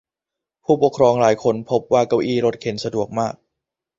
ผู้ปกครองหลายคนพบว่าเก้าอี้รถเข็นสะดวกมาก